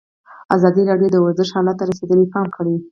ازادي راډیو د ورزش حالت ته رسېدلي پام کړی.